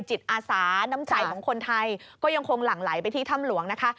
จิตอาสาน้ำใจของคนไทยก็ยังคงหลั่งไหลไปที่ถ้ำหลวงนะคะ